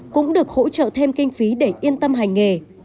cũng được hỗ trợ thêm kinh phí để yên tâm hành nghề